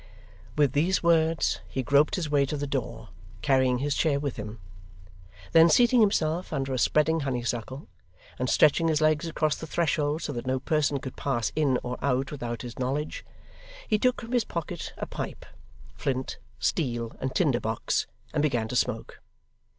With these words he groped his way to the door, carrying his chair with him. Then seating himself, under a spreading honeysuckle, and stretching his legs across the threshold so that no person could pass in or out without his knowledge, he took from his pocket a pipe, flint, steel and tinder box, and began to smoke.